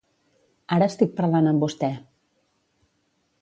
Ara estic parlant amb vosté.